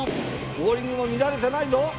ボウリングも乱れてないぞ！